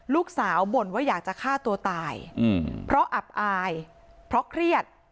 บ่นว่าอยากจะฆ่าตัวตายเพราะอับอายเพราะเครียด